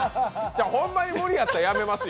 ほんまに無理やったらやめますよ。